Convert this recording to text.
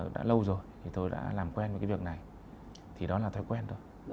đã lâu rồi thì tôi đã làm quen với cái việc này thì đó là thói quen thôi